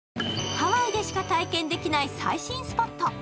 ハワイでしか体験できない最新スポット。